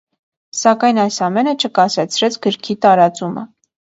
Սակայն այս ամենը չկասեցրեց գրքի տարածումը։